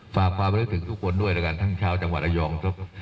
ฝากความระลึกถึงทุกคนด้วยแล้วกันทั้งชาวจังหวัดระยอง